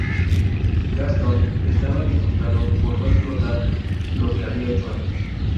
Gastón estaba disgustado por no explotar lo que había hecho antes.